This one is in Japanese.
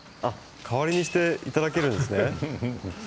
代わりにしていただけるんですね。